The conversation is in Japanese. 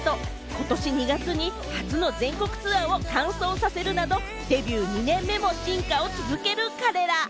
ことし２月に初の全国ツアーを完走させるなど、デビュー２年目も進化を続ける彼ら。